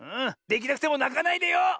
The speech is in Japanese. できなくてもなかないでよ！